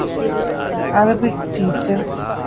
ޢަރަބިކް ޓީޗަރ